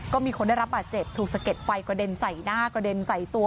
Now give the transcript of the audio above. ก็มีคนได้รับบาดเจ็บถูกสะเด็ดไฟกระเด็นใส่หน้ากระเด็นใส่ตัว